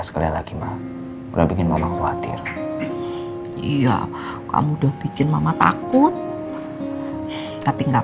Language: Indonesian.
sekali lagi ma gue bikin mama khawatir iya kamu udah bikin mama takut tapi enggak